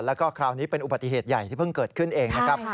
แล้วก็คราวนี้เป็นอุบัติเหตุใหญ่ที่เพิ่งเกิดขึ้นเองนะครับ